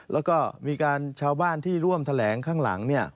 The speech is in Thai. แล้วก็มีการชาวบ้านที่ร่วมแถลงข้างหลัง